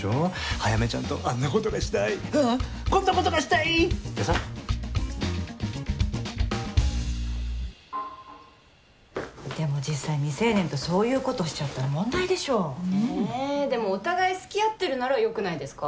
早梅ちゃんとあんなことがしたいああこんなことがしたいってさでも実際未成年とそういうことしちゃったら問題でしょえでもお互い好き合ってるならよくないですか？